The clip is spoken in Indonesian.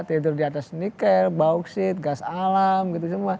tidur di atas nikel bauksit gas alam gitu semua